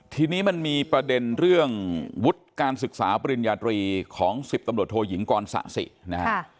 ทีนี้มันมีประเด็นเรื่องวุฒิการศึกษาปริญญาตรีของ๑๐ตำรวจโทยิงกรสะสินะฮะ